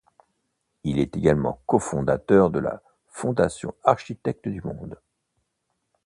Il est également cofondateur de la Fondation Architectes du Monde.